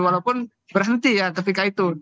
walaupun berhenti ya ketika itu